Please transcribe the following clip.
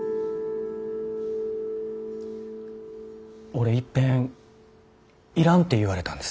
俺いっぺん要らんて言われたんです。